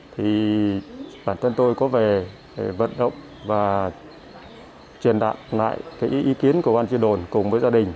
thì bản thân tôi có về vận động và truyền đoạn lại cái ý kiến của ban chương đồng cùng với gia đình